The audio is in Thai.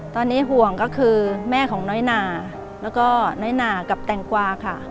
ตอนนี้ห่วงก็คือแม่ของน้อยหนาแล้วก็น้อยหนากับแตงกวาค่ะ